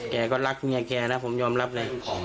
แกก็รักเมียแกนะผมยอมรับเลย